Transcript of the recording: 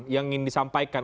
yang ingin disampaikan